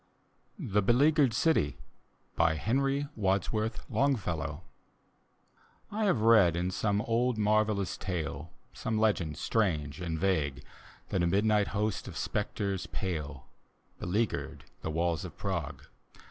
D,gt,, erihyGOOgle The Haunted Hour THE BELEAGUERED CITY : hbnrv wadsworth LONGFELLOW I have read in some old marvellous tale, Some legend strange and vague, That a midnight host of spectres pale Beleaguered the walls of Prague.